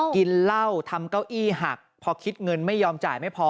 กินเหล้าทำเก้าอี้หักพอคิดเงินไม่ยอมจ่ายไม่พอ